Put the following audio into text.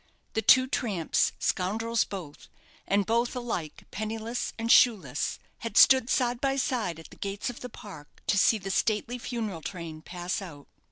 The two tramps, scoundrels both, and both alike penniless and shoeless, had stood side by side at the gates of the park, to see the stately funeral train pass out.